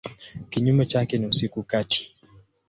Kinyume chake ni usiku kati.